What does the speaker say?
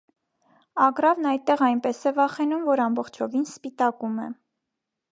Ագռավն այդտեղ այնպես է վախենում, որ ամբողջովին սպիտակում է։